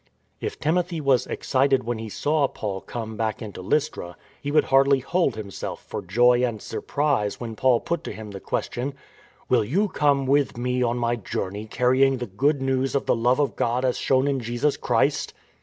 If Timothy was excited when he saw Paul come back into Lystra, he would hardly hold himself FINDING A SON 175 for joy and surprise when Paul put to him the ques tion: " Will you come with me on my journey carrying the Good News of the Love of God as shown in Jesus Christ?"